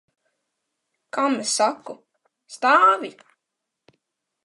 Kam es saku? Stāvi!